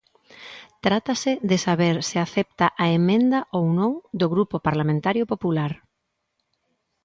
Trátase de saber se acepta a emenda ou non do Grupo Parlamentario Popular.